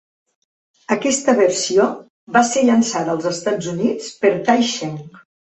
Aquesta versió va ser llançada als Estats Units per Tai Seng.